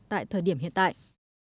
tại thời điểm hiện tại